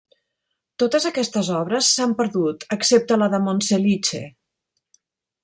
Totes aquestes obres s'han perdut, excepte la de Monselice.